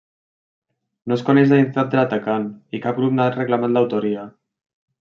No es coneix la identitat de l'atacant i cap grup n'ha reclamat l'autoria.